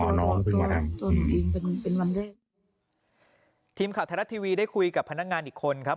ไม่ไม่เว้นเป็นวันแรกทีมขับทายรัฐทีวีได้คุยกับพนักงานอีกคนครับ